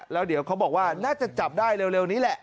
แล้วเดี๋ยวเขาบอกว่าน่าจะจับได้เร็วนี้แหละ